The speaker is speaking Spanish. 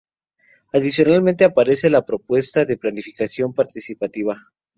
Adicionalmente aparece la propuesta de planificación participativa.